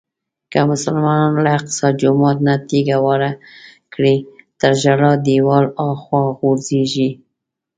که مسلمانان له اقصی جومات نه تیږه واره کړي تر ژړا دیوال هاخوا غورځېږي.